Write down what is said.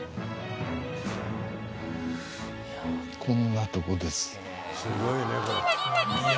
こんなとこです。